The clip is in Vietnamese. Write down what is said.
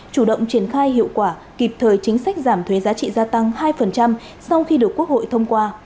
chủ động triển khai hiệu quả kịp thời chính sách giảm thuế giá trị gia tăng hai sau khi được quốc hội thông qua